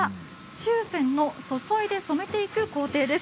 注染の注いで染めていく工程です。